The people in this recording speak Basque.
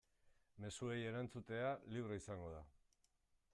Mezuei erantzutea libre izango da.